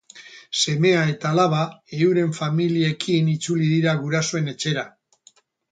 Semea eta alaba euren familiekin itzuli dira gurasoen etxera.